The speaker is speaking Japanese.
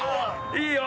いいよ！